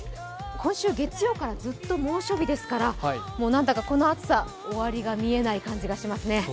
今週月曜からずっと猛暑日ですから、何だかこの暑さ、終わりが見えない感じがしますね。